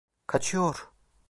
Kaçıyor!